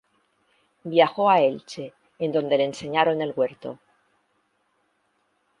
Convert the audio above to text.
Viajó a Elche, en donde le enseñaron el huerto.